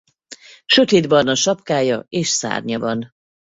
Sötétbarna sapkája és szárnya van.